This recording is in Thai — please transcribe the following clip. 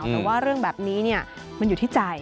แต่ว่าเรื่องแบบนี้มันอยู่ที่ใจ